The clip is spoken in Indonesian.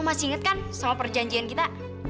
lo masih ingat kan sama perjanjian kita